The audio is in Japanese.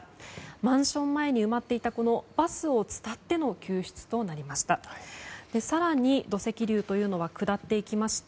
マンション前に埋まっていたバスを伝っての救出となりました。